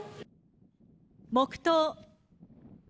黙とう。